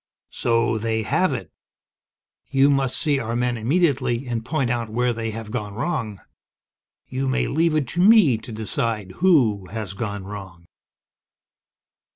"So they have it! You must see our men immediately, and point out where they have gone wrong. You may leave it to me to decide who has gone wrong!"